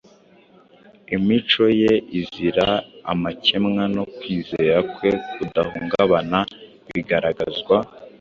Imico ye izira amakemwa no kwizera kwe kudahungabana bigaragazwa